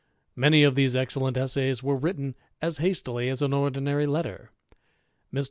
* Many of these excellent essays were written as hastily as ^'^ ordinary letter. Mr.